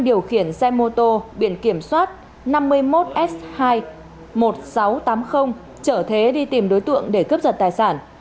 điều khiển xe mô tô biển kiểm soát năm mươi một s hai một nghìn sáu trăm tám mươi trở thế đi tìm đối tượng để cướp giật tài sản